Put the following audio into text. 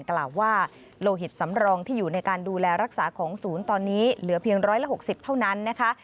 กล่าวว่าโลหิตสำรองที่อยู่ในการดูแลรักษาของศูนย์ตอนนี้เหลือเพียง๑๖๐เท่านั้นนะคะ